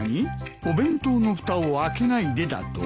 「お弁当のふたを開けないで」だと？